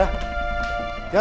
tiara tiara tiara